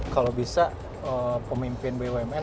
kalau bisa pemimpin bumn